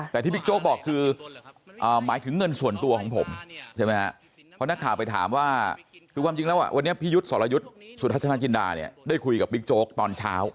แต่ที่บิ๊กโจ๊กบอกคือหมายถึงเงินส่วนตัวของผมใช่ไหมครับเพราะนักข่าวไปถามว่าคือความจริงแล้ววันนี้พี่ยุทธ์สรยุทธ์สุทัศนาจินดาเนี่ยได้คุยกับบิ๊กโจ๊กตอนเช้า